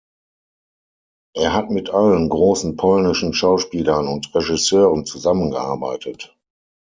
Er hat mit allen großen polnischen Schauspielern und Regisseuren zusammengearbeitet.